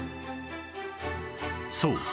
そう。